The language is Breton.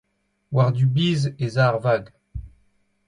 War du Biz ez a ar vag.